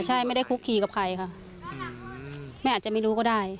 ใช่ไม่ได้คุกคีกับใครค่ะแม่อาจจะไม่รู้ก็ได้